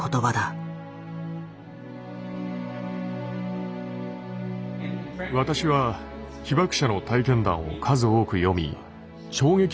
私は被爆者の体験談を数多く読み衝撃を受けたことがありました。